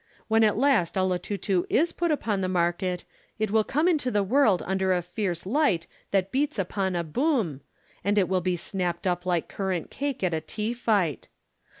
When at last 'Olotutu' is put upon the market it will come into the world under the fierce light that beats upon a boom, and it will be snapped up like currant cake at a tea fight.